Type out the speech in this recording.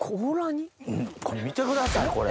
これ見てくださいこれ。